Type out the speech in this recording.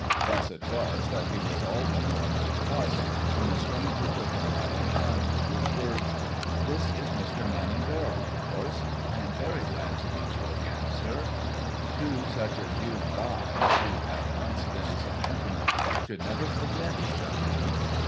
Thus it was that he was all the more non plussed when the stranger took him by the hand with words: "This is Mr. Manning Verrill, of course. I am very glad to meet you again, sir. Two such as you and I who have once been so intimate, should never forget each other."